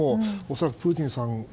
恐らくプーチンさん